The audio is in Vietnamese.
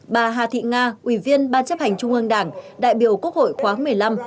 bà hà thị nga ủy viên ban chấp hành trung ương đảng đại biểu quốc hội khóa một mươi năm